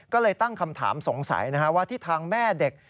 ก็เลยตั้งคำถามสงสัยว่าที่ทางแม่เด็ก